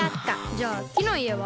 じゃあ木の家は？